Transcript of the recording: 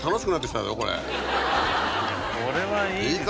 これはいい。